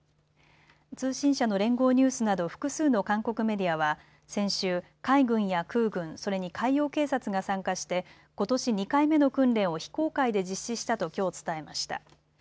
通信社の聯合ニュースなど複数の韓国メディアは先週、海軍や空軍それに海洋警察が参加してことし２回目の訓練を非公開で実施したと、きょう伝えました。